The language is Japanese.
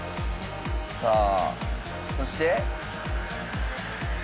さあそして。